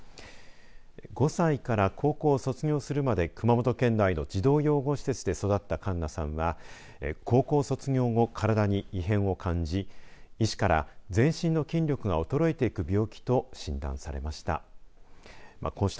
５歳から高校を卒業するまで熊本県内の児童養護施設で育った栞奈さんは高校卒業後、体に異変を感じ医師から全身の筋力が衰えていく病気と診断されました。